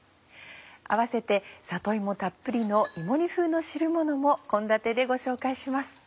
併せて里芋たっぷりの芋煮風の汁ものも献立でご紹介します。